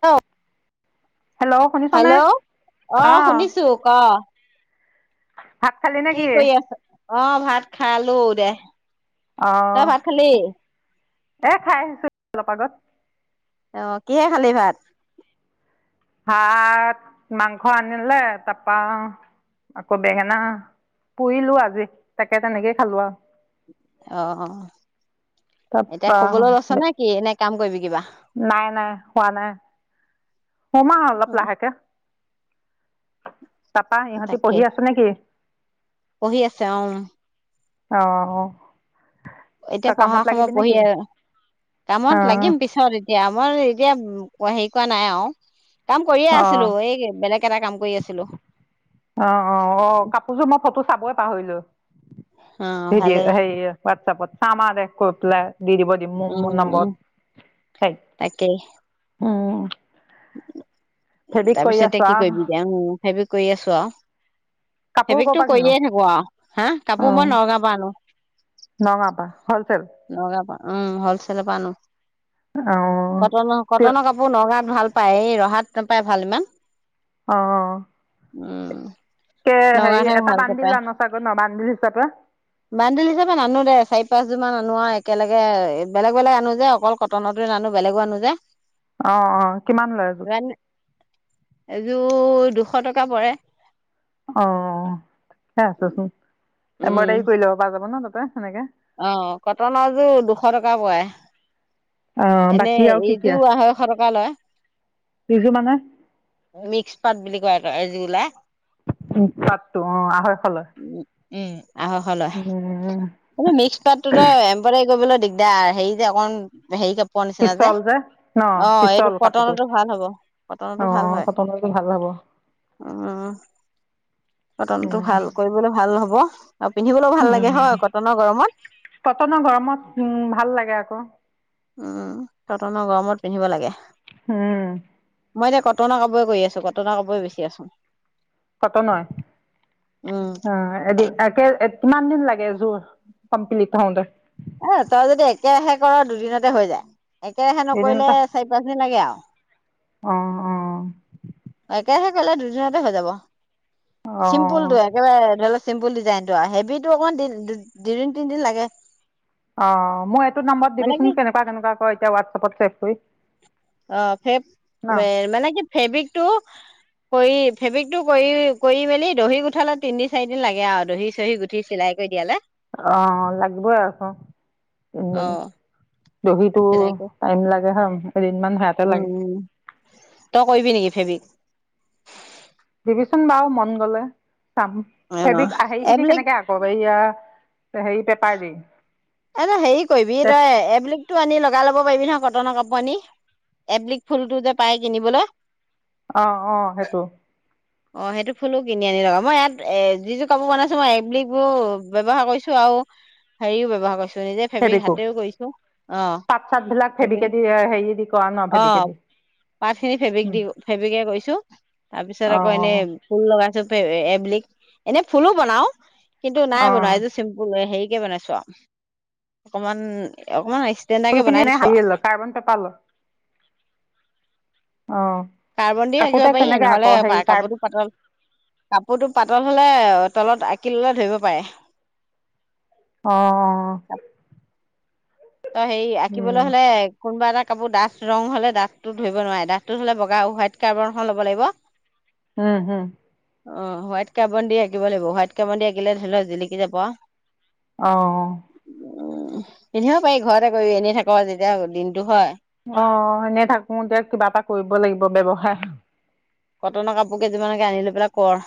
অ, hello শুনিছনে? Hello অ শুনিছো ক? ভাত খালি কি নেকি? কৰি আছ অ', ভাত খাল দে। অ', তই ভাত খালি? এ খাই আহিছো অলপ আগত। অ', কিহে খালি ভাত? ভাত মাংস আনিলে তাৰপা আকৌ বেঙেনা পুৰিলো আজি তাকে তেনেকেই খালো আৰু। অ', এতিয়া তাৰপা শুবলৈ আছ নে কি? এনে কাম কৰিবি কিবা? নাই-নাই শুৱা নাই। শুম অলপ উ লাহোকে। তাপা ইহঁতি তাকে পঢ়ি আছ নেকি? পঢ়ি আছে অ আহ, এতিয়া পঢ়া সময় পঢ়ি আহ, কামত অ', লাগিম পিছত এতিয়া আমাৰ এতিয়া অ', হেই কোৱা নাই আৰু। কাম কৰিয়ে আছিলো অ', এই বেলেগ টা কাম কৰি আছিলো। অ', -অ', -', কাপোৰযোৰ মত ফটো চাবই পাহৰিলো। অ স ভালেই দ সে প [unintelligible] চামাৰে কৰি পেলাই দি দিব দিম মোৰ মোৰ উম উম নম্বৰত দেই তাকেই উম [unintelligible] তাৰপিছতে কি আৰু কৰিবি দেয়াময় সেইবোৰ কৰি আছো আৰু কাপোৰ ক'ৰ পৰা সেইবিকতটো কিনো কৰিয়ে থাকো আৰু হা কাপোৰ অঁ মই নগাওঁ পৰা আনো নগাঁৱৰ পৰা হলচেল নগাঁও পৰা উম হলচেল পৰা আনো অঁ কটনৰ কটনৰ কাপোৰ নগাওঁ ভাল পায় ৰহাত পাৰা ভাল ইমান অ উম নগাঁওতহে ভালকে বান্দিল পায় আন চাগৈ ন বান্দিল হিচাপে বানদিল হি চাপে নানো দে চাই ফেচবুক আনো একেলগে বেলেগ বেলেগ আনো যে অকল কটনটো নানো বেলেগো আনো যে অ অ কিমান লৈ এযোৰ এযোৰ দুশ টকা পৰে অ সেই আছাচোন উম এম্ৰডাৰ কৰি ল' যাব না তাতে সেনেকে অ কটনৰযোৰ দুশ টকা পৰে অঁ এনে বাকী আৰু কি কি এইটো আছে আঢ়ৈশ টকা লয় বিজু মানে মিক্স পাত বুলি কয় আৰু [unintelligible] উ পাতটো অ আঢৈশ লয় উম উও মিক্স পাতটো। এম্ম দায়ী কৰিবলৈ দিগদাৰ হেৰি যে অকণ হেৰি প নিচিনা যে পিছল ন অ এইটো পিছল কাপোৰটো কটনতো ভাল হ'ব কটনতো অ ভাল হয় কটনৰটো ভাল হ'ব উম কটনতটো ভাল কৰিবলৈ ভাল হব আৰু পিন্ধিবলৈও ভাল লাগে হয় উম কটনৰ গৰমত কটনৰ গৰমত উম ভাল লাগে আকৌ উম কটনৰ গৰমত পিন্ধিব লাগে উম মই যে কটনৰ কাপোৰে কৰি আছোঁ ক উম কটনৱে অ একে এদিন কিমান দিন লাগে [inaudible] কম্পিলিত হওতে এ তই যদি একেৰাহে কৰ দুদিনতে হৈ যায় একেৰাহে নকৰিলে চাৰি পাঁচদিন লাগে আও অহ অহ একেৰাহে কৰিলে দুদিনতে হৈ যাব অ চিম্পুলটো একেবাৰে চিম্পুল ডিজাইন টো আৰু হেভি টো অকমান দুদিন তিনিদিন লাগে অ মই এইটো নাম্বৰত মানে কি দিবিচোন কেনেকুৱা কেনেকুৱা ক এতিয়া হোৱাটছএপত ছেভ কৰি অ ফে ন মানে কি ফেব্ৰিকটো কৰি ফেব্ৰিকটো কৰি কৰি মেলি দহি গুঠালে তিনিদিন চাৰিদিন লাগে আৰু দহি চহি গুঠি চিলাই কৰি দিয়ালে অ লাগিবই আক তিনদিন দহিতো চিলাই কৰি টাইম লাগে এদিনমান সেয়াতে লাগে উম তই কৰিবি নেকি ফ্ৰেবিক দিবি চোন বাও মন গলে চাম অ ফেৱিক সেই খিনি কেনেকে আক সেয়া হয় [inaudible] এ ন হেৰি কৰিবি তই এবিলগতটো আনি লগাই লব পাৰিবি নহ কটনৰ কাপোৰ আনি এবলিক ফুল টো যে পায় কিনিবলৈ অ অ সেইটো অ সেইটো ফুলো কিনি আনি লগাও মই ইয়াত এ যি যোৰ কাপোৰ বনাইছো মই এবলিক বোৰ ব্যৱহাৰ কৰিছো আৰু হেৰিও ব্যৱহাৰ কৰিছো নিজে ফেব্ৰিক ফেব্ৰিকো হাতেও কৰিছোঁ অ পাত চাতবিলাক ফেব্ৰিকেদি হেৰি দি কৰা ন অ ফেব্ৰিকেদি পাতখিনি ফেব্ৰিক দি ফেব্ৰিকে কৰিছোঁ তাৰপিছত আকৌ অঁ অঁ এনেই ফুল লগাইছো এবিলিক এনে ফুলো বনাও কিন্তু নাই অঁ বনোৱা এই যোৰ চিম্পুলে কি বনাইছো আৰু অকমান অকমান ফুল ষ্টেণ্ডাৰকে খিনি বনাই এনে দিছো হানি আৰু ললো তাৰপাছত পালো কাৰ্বন দি আকৌ ৰাখিব তাই পাৰি কেনেকৈ আকৌ নহলে হেৰি কাৰ কাপোৰটো পাতল কাপোৰটো পাতল হল তলত আঁকি ললে ধৰিব পাৰে অ অ তই সেই আঁকিবলৈ হলে কোনোবা এটা কাপোৰ ডাঠ ৰং হলে ডাঠটো ধৰিব নোৱাৰে ডাঠটো ধলে বগা হোৱাইট কাৰ্বাৰখন ল'ব লাগিব উম হম অ হোৱাইট কাবন দি আঁকিব লাগিব হোৱাইট কাবন দি আকিলে ধৰি লওক জিলিকি যাব অঁ উম, এনেও পাৰি ঘৰতে কৰি এনি থাকো যেতিয়া দিনতটো হয়। অ', এনে থাকো এতিয়া কিবা এটা কৰিব লাগিব ব্যৱসায়। কটনৰ কাপোৰ কেইযোৰমানকে আনি লৈ পেলাই কৰ।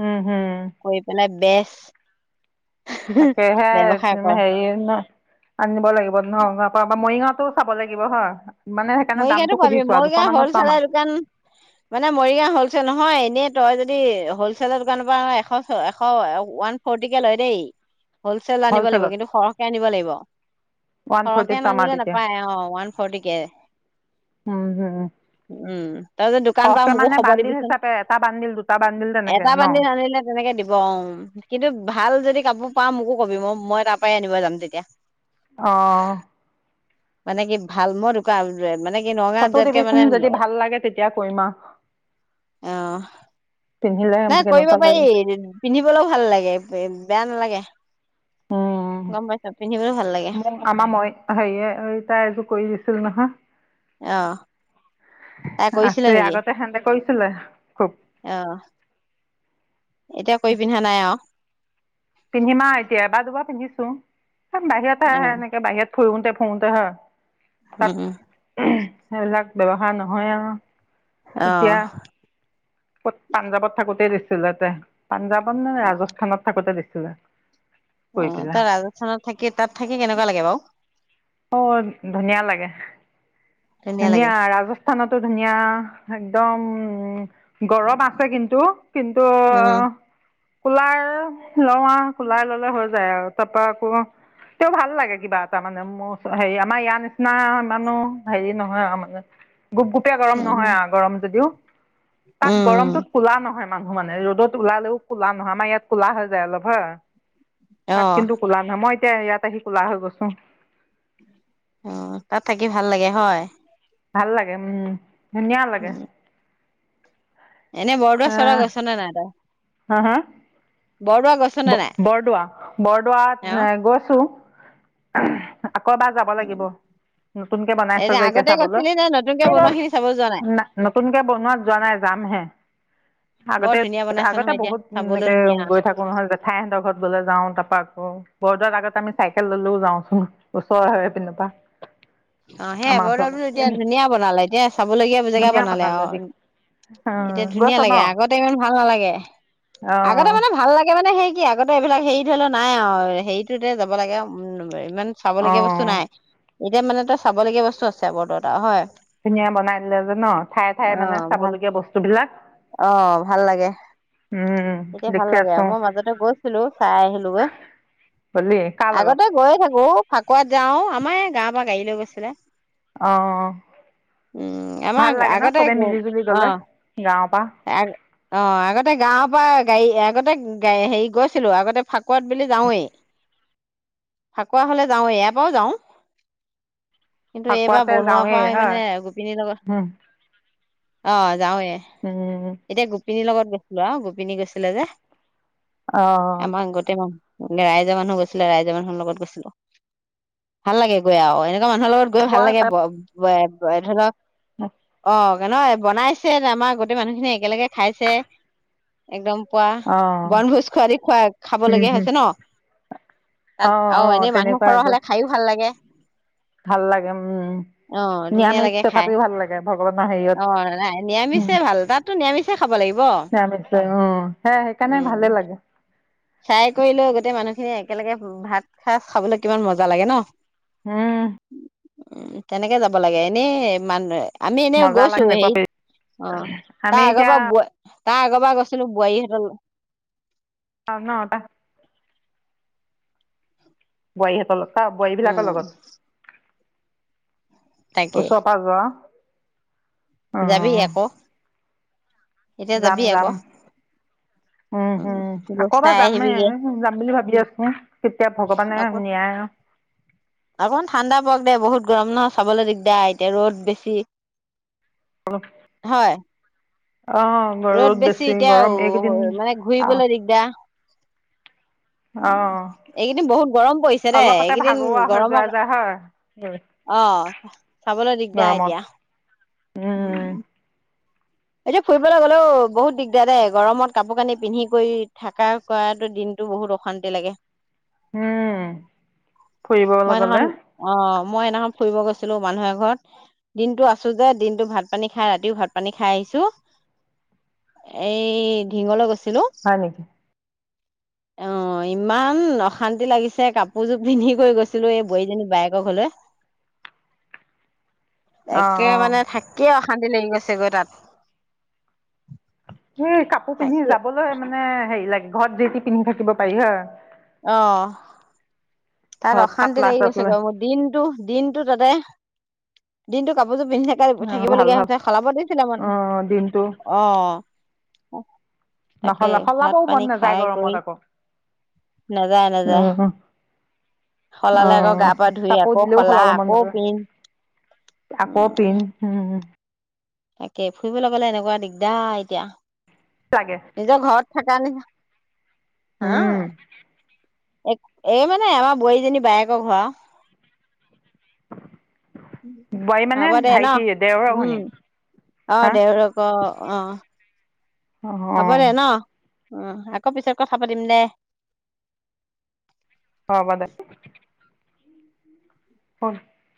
উম', হম', কৰি পেলাই বেচ তাকেহে ব্যৱসায় কৰ হেৰি ন আনিব লাগিব নহ পৰা মৰিগাঁও টো চাব লাগিব হ মৰিগাঁৱতটো পাবি মৰিগাঁও আৰু হলছেলৰ দোকান মানে মৰিগাঁও হলচেল নহয় এনে তই যদি হলচেলৰ দোকানৰ পৰা এশ এশ ওৱান ফৰ্টিকে লয় দেই। হ'লচেল আনিব লাগিব হ'লচেলত কিন্তু সৰহকৈ আনিব লাগিব ওৱান সৰহকৈ ফৰ্টিত পাম আৰু আনিলে তেতিয়া নাপায় অ', ওৱান ফৰ্টি কে। উম হম উম তাৰপিছত দোকান পাৰ সৰহকে মোকো মানে খবৰ বান্দিল দিবিচোন হিচাপে এটা বান্দিল দুটা বান্দিল তেনেকে এটা ন বান্ধি আনিলে তেনেকে দিব উ কিন্তু ভাল যদি কাপোৰ পা মোকো কবি মই মই তাৰ পৰাই আনিব যাম তেতিয়া। আহ, মানে কি ভাল মই দু মানে কি নগাঁৱ ফটো যোৱাতকে দিবিচোন মানে যদি ভাল লাগে তেতিয়া কৰিম আৰু অ', পিন্ধিলে নাই কৰিব কেনেকুৱা পাৰি লাগে পিন্ধিবলৈও ভাল লাগে বেয়া নালাগে। উ, গম পাইছ পিন্ধিবলৈ ভাল লাগে মোক আমাৰ মই হেৰিয়ে তাই এযোৰ কৈ দিছিল নহয়। আহ, আছে আগতে সেনেতে কৰিছিলে খুব। অ', এতিয়া কৰি পিন্ধা নাই আৰু। পিন্ধিমা এতিয়া এবাৰ দুবা পিন্ধিছো। বাহিৰত আহে অ', এনেকে বাহিৰত ফুৰোতে ফুৰোতে হা উম, উম, তাত সেইবিলাক ব্যৱসায় নহয় আৰু। এতিয়া আহ', কত পাঞ্জাৱত থাকোতে দিছিল তাতে। পাঞ্জাৱত নে ৰাজস্থানত থাকোতে দি [inaudible] অ', তাই ৰাজস্থানত থাকি তাত থাকি কেনেকুৱা লাগে বাও? অ', ধুনীয়া লাগে। ধুনীয়া ৰাজস্থানতো ধুনীয়া একদম গৰম আছে কিন্তু কিন্তু উম, কুলাৰ লওঁ আৰু কুলাৰ ললে হৈ যায় আৰু তাৰ পৰাৰা আকৌ তে ভাল লাগে কিবা এটা মানে মোৰ হেৰি আমাৰ ইয়াৰ নিচিনা মানুহ হেৰি নহয় আ মানে গোপ গোপীয়া গৰম নহয় উম, আ গৰম যদিও তাত উম, গৰমটোত কোলা নহয় মানুহ মানে ৰ'দত ওলালেও ক'লা নহয় আমাৰ ইয়াত কলা হৈ যায় অলপ হ তাত অ', কিন্তু কলা নাই মই এতিয়া ইয়াত আহি কোলা হৈ গৈছো অ তাত থাকি ভাল লাগে হয় ভাল লাগে উম ধুনীয়া লাগে এনেই বৰদোৱা চৰাৰ আহ গৈছনে নাই তই বৰদোৱা গৈছ নে ব নাই? বৰদোৱা বৰদোৱাত অ', এ গৈছো [unintelligible] আকৌ এবাৰ যাব লাগিব নতুনকে বনাইছ এনে যে এতিয়া আগতে চাবলৈ গৈছিলি নে নতুনকে বনোৱা খিনি চাব যোৱা নাই নতুনকে বনোৱাত যোৱা নাই যামহে বৰ আগতে ধুনীয়া বনাইছে আগতে নহয় এতিয়া বহুত চাবলৈ এনেকে ধুনীয়া গৈ থাকো জেঠাই সিহঁতৰ ঘৰত গ'লে যাওঁ তাৰপ আকৌ বৰদোৱাৰ আগতে আমি চাইকেল ললেও যাওচোন ওচৰ হয় সেইপিনৰ পৰা অ সেই আমাৰ বদো ওচৰ এতিয়া ধুনীয়া বনালে এতিয়া চাবলগীয়া জেগা ধুনীয়া বনালে অ দেই এতিয়া অ' ধুনীয়া গৈছ ন লাগে আগতে ইমান ভাল নালাগে আগতে অ' মানে ভাল লাগে তে মানে হেৰি কি আগতে এইবিলাক হেৰি ধৰি লও নাই আৰু হেৰিটোতে যাব লাগে ইমান চাবলীয়া বস্তু অ' নাই এতিয়া মানে ত চাবলগীয়া বস্তু আছে বৰদোৱাত এটা হয় ধুনীয়া বনাই দিলে যে ন ঠায়ে ঠায়ে অ মানে ভাল চাবলগীয়া বস্তু বিলাক অ ভাল লাগে এতিয়া ভাল দেখি লাগে আছো মই মাজতে গৈছিলো চাই আহিলো গৈ গলি কাৰ লগত আগতে গৈয়ে থাকো ফাকুৱাত যাও অ আমাৰ গাও পৰা গাড়ী লৈ গৈছিলে অ উম আমাৰ ভাল লাগে ন আগতে সবে মিলি জুলি অ গলে গাঁৱত অ আগতে গাওঁ তপা গাড়ী আগতে হেৰি গৈছিলো আগতে ফাকুৱাত বুলি যাওঁৱেই ফাকুৱা হলে যাওৱেই ইয়াৰ পৰাও যাওঁ কিন্তু এইবাৰ ফাকুৱাতে বনোৱাৰ পৰা যাওঁৱেই হয় মানে গোপিনীৰ লগত উম অ যাওঁৱে উম এতিয়া গু্ গোপিনীৰ লগত গৈছিলো অ গোপিনী গৈছিলে যে অ', আমাৰ গতে ম এ ৰাইজৰ মানুহ গৈছিলে ৰাইজৰ মানুহৰ লগত গৈছিলো ভাল লাগে গৈ আও এনে মানুহৰ লগত গৈ ভাল লাগে [unintelligible] [unintelligible] [unintelligible] [unintelligible] বনাইছে [unintelligible] মানুহখিনি একেলগে খাইছে। একদম কোৱা অ', বনভোজ খোৱাদি খোৱা - খাব উম, লগীয়া হম, হৈছে ন? তাত অ', আৰু অ', এনেই মানুহ তেনেকুৱা সৰহ আকৌ হলে খায়ো ভাল লাগে। ভাল লাগে উম। অ', ধুনীয়া নিৰামিচ লাগে খাই। তথাপিও ভাল লাগে ভগৱানৰ অ', নাই হেৰিয়ত উ নিৰামিষে ভাল। তাতো নিৰামিচে খাব লাগিব। নিৰামিষ উম, সে সেইকাৰণে ভালে উম। [unintelligible] লাগে কৰিলেও গোটেই মানুহখিনি একেলগে ভাত খা - খাবলৈ কিমান মজা লাগে ন? হম। উম। তেনেকে যাব লাগে এনেই মানুয়ে আমি এনে মজা লাগে গৈছোঁ সেনেকুৱা হেৰিত। পৰি অ আমি তাৰ আগৰ এতিয়া [unintelligible] তাৰ আগৰ পৰা গৈছিলো বোৱাৰীহঁতৰ লগ নটা। বোৱাৰী হতৰ লগত বোৱাৰী উম, বিলাকৰ লগত তাকেই উচৰ পা যোৱা। যাবি আকৌ। এতিয়া যাম যাবি - যাম। আকৌ উম - হম। গৈ চাই আকৌবাৰ যামেই, আহিবিগে যাম বুলি ভাবি আছো কেতিয়া ভগৱানে আকৌ নিয়ায় আও অকমান ঠাণ্ডা পৰক দে বহুত গৰম ন চাবলৈ দিগদাৰ এতিয়া ৰ'দ বেছি। হয়। অ', ৰ'দ বেছি এতিয়া গৰম ও এইকেইদিন মানে আহ ঘূৰিবলৈ দিগদাৰ। উ। অ' এইকেইদিন বহুত গৰম পৰিছে দে অলপতে এইকেইদিন ভাগৰুৱা হৈ যোৱা গৰমৰ যায় হয় অহ। চাবলৈ দিগদাৰ গৰমত এতিয়া। উম। এতিয়া ফুৰিবলৈ গলেও বহুত দিগদাৰ দে গৰমত কাপোৰ কানি পিন্ধি কৰি থাকা কৰাটো দিনটো বহুত অশান্তি লাগে। উম। মই ফুৰিবলৈ এদিনাখন গলে অ', মই এদিনাখন ফুৰিব গৈছিলো মানুহৰ এঘৰত দিনটো আছো যে দিনতো ভাত পানী খাই ৰাতিও ভাত পানী খাই আহিছো। এই ধিংওলে গৈছে। হয় নেকি? অহ। ইমান অশান্তি লাগিছে কাপোৰযোৰ পিন্ধি কৰি গৈছিলো এই বোৱাৰী জনীৰ বায়েকৰ ঘৰলে। অ' একে অ' মানে থাকিয়ে অশান্তি লাগি গৈছে গৈ তাত। হয় হে কাপোৰ পিন্ধি থাকি যাবলৈ মানে হেৰি লাগে। ঘৰত যি তি পিন্ধি থাকিব পাৰি হয়। অহ। তাত ঘৰত অশান্তি পাতলা লাগি গৈছে চাতলা গৈ মোৰ দিনতটো দিনতটো তাতে দিনতটো কাপ পিন্ধি থাকে অ' থাকিব ভাল লগগীয়া ভাল হৈছে সলাব দিছিলে মানে অ' দিনটো অ ' অ', নহলাও সলাবও মন নাযায় কৰি গৰমত আকৌ নাযায় নাযায় উম। সলালে আকৌ গা অ' পা ধুই কাপোৰ আকৌ দিলেও সলা সলাব মন আকৌ নাযায় পিন্ধ আকৌ উম পিন্ধ উম, তাকে ফুৰিবলৈ গলে এনেকুৱা দিগদাৰ এতিয়া, লাগে নিজৰ ঘৰত। থকা উম, এ এই মানে আমাৰ বোৱাৰীজনী বায়েকৰ ঘৰ আও বোৱাৰী মানে হব দে ন ভাইটি দেওৰৰ উম ঘৈণীয়েক অ হা দেওৰক অ' অ, অ হ'ব দে ন উম আকৌ পিছত কথা পাতিম দে। হব দে। হয়,